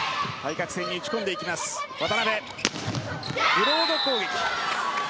ブロード攻撃。